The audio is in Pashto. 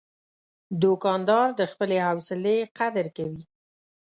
دوکاندار د خپلې حوصلې قدر کوي.